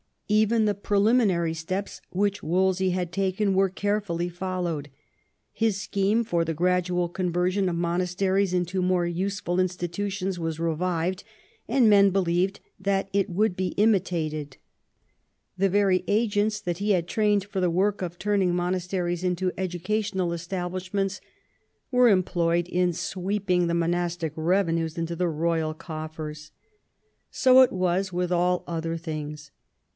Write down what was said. Even the preliminary steps which Wolsey had taken were carefully followed. His scheme for the gradual conversion of feonasteries into more useful institutions was revived, and men be lieved that it would be imitated : the very agents that he had trained for the work of turning monasteries into educational establishments were employed in sweeping the monastic revenues into the royal coffers. So it XI THE WORK OF WOLSEY 221 was with all other things.